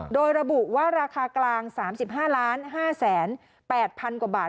โดยระบุว่าราคากลาง๓๕๕๘๐๐๐กว่าบาท